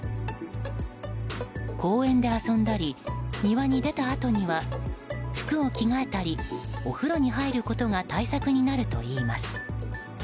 公園で遊んだり庭に出たあとには服を着替えたりお風呂に入ることが対策になるといいます。